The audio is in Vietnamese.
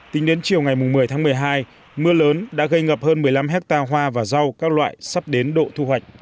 tính đến chiều ngày một mươi tháng một mươi hai mưa lớn đã gây ngập hơn một mươi năm hectare hoa và rau các loại sắp đến độ thu hoạch